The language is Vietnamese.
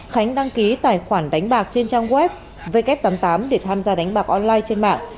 hai nghìn hai mươi một khánh đăng ký tài khoản đánh bạc trên trang web w tám mươi tám để tham gia đánh bạc online trên mạng